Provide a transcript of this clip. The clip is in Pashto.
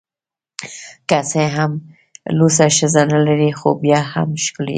که څه هم لوڅه ښځه نلري خو بیا هم ښکلې ده